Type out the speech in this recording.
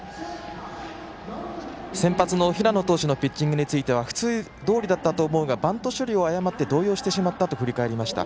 先発の平野投手のピッチングは普通どおりだったと思うがバント処理を誤って動揺してしまったと振り返りました。